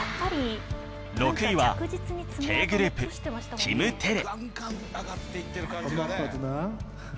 ６位は Ｋ グループキム・テレ